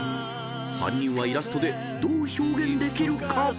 ［３人はイラストでどう表現できるか］